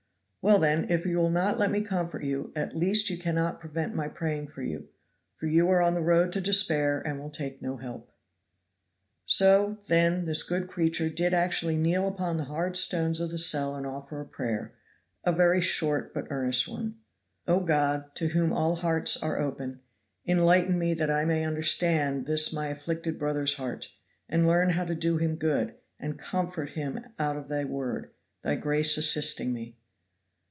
"Well, then, if you will not let me comfort you, at least you cannot prevent my praying for you, for you are on the road to despair and will take no help." So, then, this good creature did actually kneel upon the hard stones of the cell and offer a prayer a very short but earnest one. "Oh God, to whom all hearts are open, enlighten me that I may understand this my afflicted brother's heart, and learn how to do him good, and comfort him out of Thy word Thy grace assisting me."